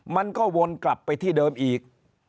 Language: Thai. มันก็วนกลับไปที่เดิมอีก